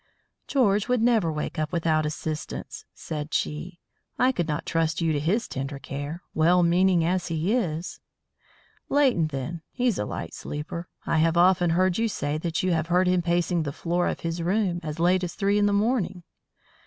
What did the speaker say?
"George would never wake up without assistance," said she. "I could not trust you to his tender care, well meaning as he is." "Leighton, then. He's a light sleeper. I have often heard you say that you have heard him pacing the floor of his room as late as three in the morning."